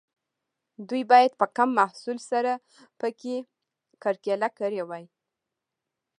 دوی باید په کم محصول سره پکې کرکیله کړې وای.